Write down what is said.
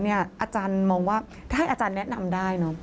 ที่ดูให้อาจารย์แนะนำได้